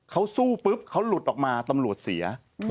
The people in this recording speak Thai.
เขาสู้ปุ๊บเขาหลุดออกมาตำรวจเสีย